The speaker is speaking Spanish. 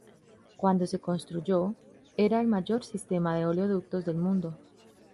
Cuando se construyó era el mayor sistema de oleoductos del mundo.